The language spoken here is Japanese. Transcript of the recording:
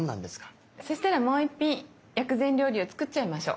そしたらもう１品薬膳料理を作っちゃいましょう。